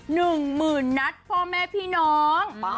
หนึ่งหมื่นนัดพ่อแม่พี่น้อง